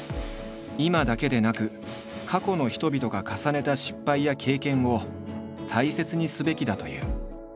今だけでなく過去の人々が重ねた失敗や経験を大切にすべきだという。